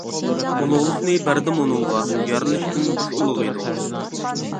ئۇلۇغلۇقنى بەردىم ئۇنىڭغا، يارىلىشتىن بىز ئۇلۇغ ئىدۇق.